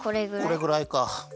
これぐらいか。